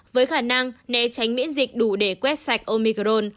với khả năng né tránh miễn dịch đủ để quét sạch omicron